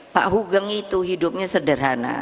pak hugeng itu hidupnya sederhana